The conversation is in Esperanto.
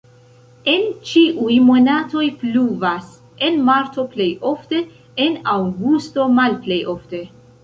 En ĉiuj monatoj pluvas, en marto plej ofte, en aŭgusto malplej ofte.